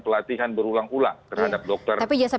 pelatihan berulang ulang terhadap dokter